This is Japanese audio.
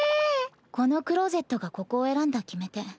このクローゼットがここを選んだ決め手。